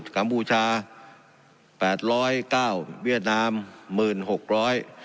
กัมพูชา๘๐๙๐๐๐บาทเวียดนาม๑๐๖๐๐บาท